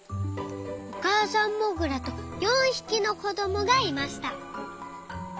おかあさんモグラと４ひきのこどもがいました。